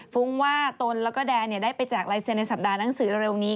ฟุ้งว่าตนแล้วก็แดนได้ไปแจกลายเซ็นในสัปดาห์หนังสือเร็วนี้